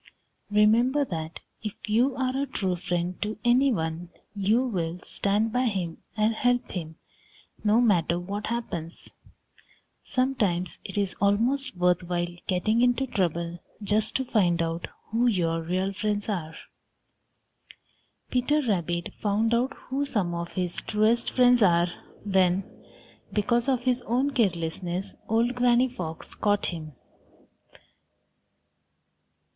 Remember that if you are a true friend to any one, you will stand by him and help him, no matter what happens. Sometimes it is almost worth while getting into trouble just to find out who your real friends are. Peter Rabbit found out who some of his truest friends are when, because of his own carelessness, old Granny Fox caught him.